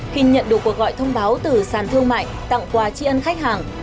khi nhận được cuộc gọi thông báo từ sàn thương mại tặng quà tri ân khách hàng